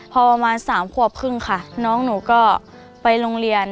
พอประมาณ๓ขวบครึ่งค่ะน้องหนูก็ไปโรงเรียน